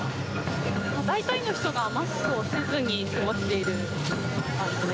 大体の人がマスクをせずに過ごしている感じです。